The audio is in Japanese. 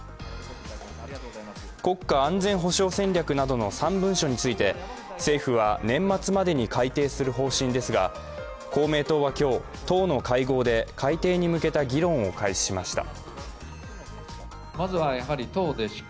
国家安全保障戦略などの３文書について政府は年末までに改定する方針ですが、公明党は今日、党の会合で改訂に向けた議論を開始しました。